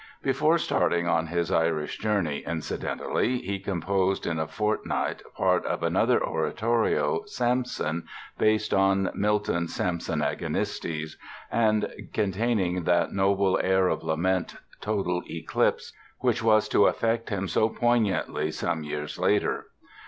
Before starting on his Irish journey, incidentally, he composed in a fortnight part of another oratorio, "Samson", based on Milton's "Samson Agonistes" and containing that noble air of lament, "Total Eclipse", which was to affect him so poignantly some years later.